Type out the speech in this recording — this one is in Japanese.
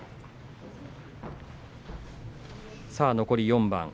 残り４番。